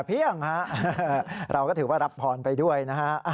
เพียงฮะเราก็ถือว่ารับพรไปด้วยนะฮะ